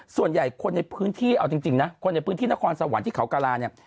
ส่วนใหญ่คนในพื้นที่เอาจริงนะคนในพื้นที่นครสวรรค์ที่เขากราเนี่ย